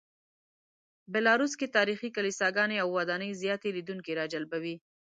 بیلاروس کې تاریخي کلیساګانې او ودانۍ زیاتې لیدونکي راجلبوي.